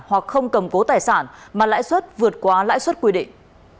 hoặc không cầm cố tài sản mà lãi suất vượt quá lãi suất quy định